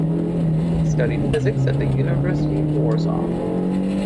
He studied physics at the University of Warsaw.